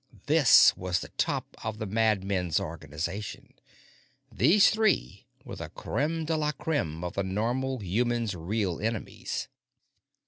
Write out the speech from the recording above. This was the top of the madmen's organization; these three were the creme de la creme of the Normal human's real enemies.